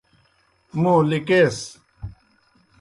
موں لِکِیس۔